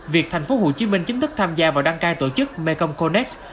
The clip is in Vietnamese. việc thành phố hồ chí minh chính thức tham gia vào đăng cai tổ chức mekong connect